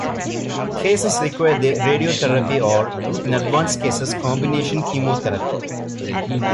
Cases require radiotherapy or, in advanced cases, combination chemotherapy.